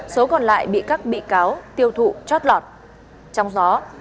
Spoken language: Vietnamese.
số còn lại bị các bị cáo tiêu thụ chót lọt trong gió